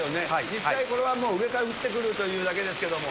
実際、これはもう上から降ってくるというだけですけれども。